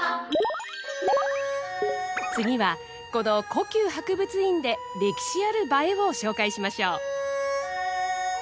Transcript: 次はこの「故宮博物院」で歴史ある映えを紹介しましょう。